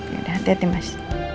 yaudah hati hati mas